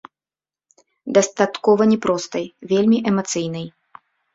Дастаткова не простай, вельмі эмацыйнай.